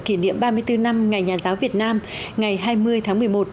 kỷ niệm ba mươi bốn năm ngày nhà giáo việt nam ngày hai mươi tháng một mươi một